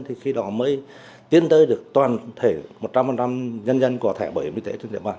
thì khi đó mới tiến tới được toàn thể một trăm linh nhân dân có thể bảo hiểm y tế